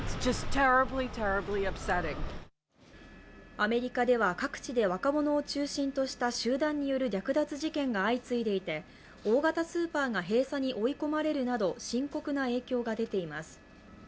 アメリカでは各地で若者を中心とした集団による略奪事件が相次いでいて大型スーパーが閉鎖に追い込まれるなど深刻な影響が出ています。